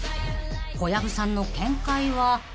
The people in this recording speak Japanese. ［小籔さんの見解は？］